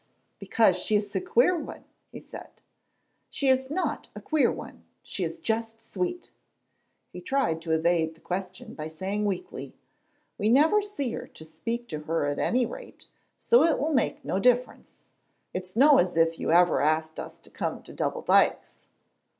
"Because because she is a queer one," he said. "She is not a queer one she is just sweet." He tried to evade the question by saying weakly, "We never see her to speak to at any rate, so it will make no difference. It's no as if you ever asked us to come to Double Dykes."